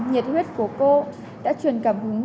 nhiệt huyết của cô đã truyền cảm hứng